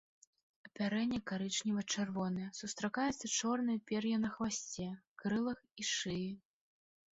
Апярэнне карычнева-чырвонае, сустракаецца чорнае пер'е на хвасце, крылах і шыі.